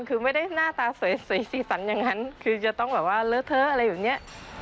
คือไม่ได้หน้าตาสวยสีสันอย่างนั้นคือจะต้องแบบว่าเลอะเทอะอะไรแบบนี้